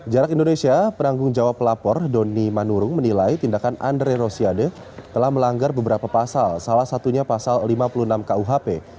jarak indonesia penanggung jawab pelapor doni manurung menilai tindakan andre rosiade telah melanggar beberapa pasal salah satunya pasal lima puluh enam kuhp